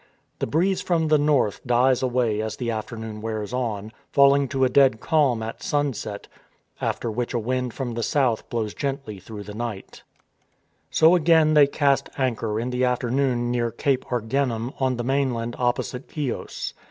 The breeze from the north dies away as the afternoon wears on, falling to a dead calm at sunset, after which a wind from the south blows gently through the night. « ONE WHO MARCHED " 279 So again they cast anchor in the afternoon near Cape Argennum on the mainland opposite Chios.